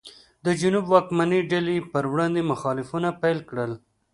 د جنوب واکمنې ډلې یې پر وړاندې مخالفتونه پیل کړل.